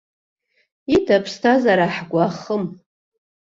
Ида аԥсҭазаара ҳгәы ахым.